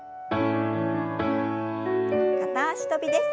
片脚跳びです。